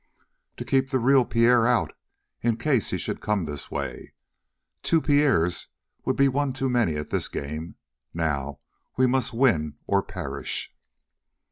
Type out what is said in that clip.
"To keep the real Pierre out, in case he should come this way. Two Pierres would be one too many at this game. Now we must win or perish."